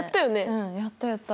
うんやったやった。